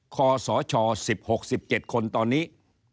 คศ๑๖๑๗คนตอนนี้